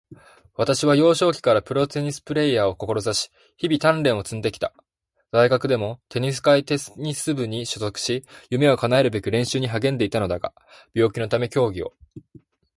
私は幼少期からプロテニスプレイヤーを志し、日々鍛錬を積んできた。大学でも体育会テニス部に所属し、夢を叶えるべく練習に励んでいたのだが、病気のため競技を続けることが困難となった。夢が断たれたことによる喪失感や悔しさは計り知れないものであった。